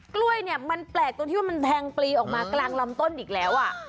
กล้วยเนี่ยมันแปลกตรงที่ว่ามันแทงปลีออกมากลางลำต้นอีกแล้วอ่ะ